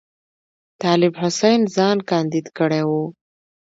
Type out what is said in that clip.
طالب حسین ځان کاندید کړی وو.